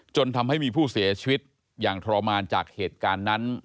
จนทำให้มีผู้เสียชีวิตอย่างทรมานจากเหตุการณ์นั้น